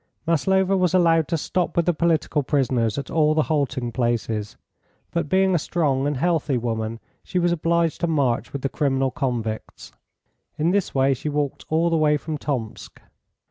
Maslova was allowed to stop with the political prisoners at all the halting places, but being a strong and healthy woman she was obliged to march with the criminal convicts. In this way she walked all the way from Tomsk.